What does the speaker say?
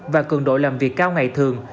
và cường độ làm việc cao ngày thường